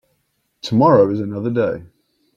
Tomorrow is another day.